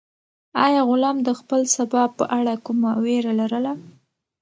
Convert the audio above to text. آیا غلام د خپل سبا په اړه کومه وېره لرله؟